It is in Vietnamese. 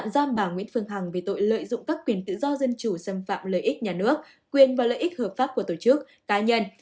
dân chủ xâm phạm lợi ích nhà nước quyền và lợi ích hợp pháp của tổ chức cá nhân